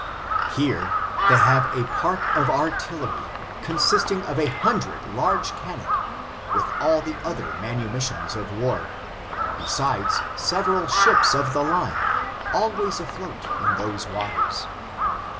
Here they have a park of artillery, consisting of a hundred large cannon, with all the other munitions of war, besides several ships of the line, always afloat in those wa ters.